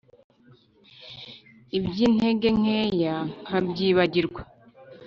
iby’intege nkeya nkabyibagirwa